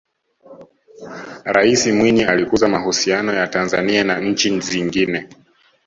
raisi mwinyi alikuza mahusiano ya tanzania na nchi zingine